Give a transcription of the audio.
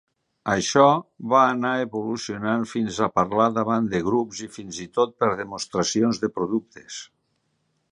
Això va anar evolucionant fins a parlar davant de grups i fins i tot fer demostracions de productes.